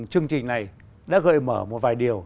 chương trình này đã gợi mở một vài điều